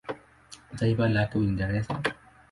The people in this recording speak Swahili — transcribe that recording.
Taifa lake Uingereza.